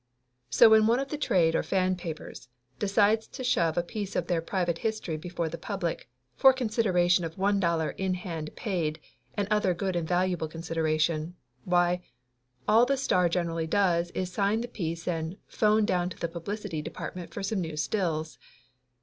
So when one of the trade or fan papers decides to shove a piece of their private history before the public for consideration of one dollar in hand paid and other good and valua ble consideration, why, all the star generally does is sign the piece and 'phone down to the publicity depart ment for some new stills.